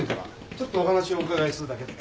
ちょっとお話お伺いするだけで。